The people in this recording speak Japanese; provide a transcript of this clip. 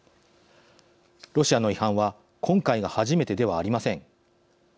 ロシアの違反は今回が初めてではありません。